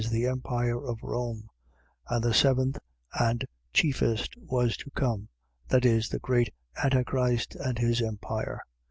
the empire of Rome: and the seventh and chiefest was to come, viz., the great Antichrist and his empire.